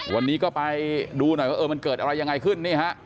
วันนี้ก็ไปดูหน่อยว่าเออมันเกิดอะไรยังไงขึ้นนี่ฮะ